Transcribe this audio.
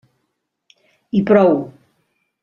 I prou.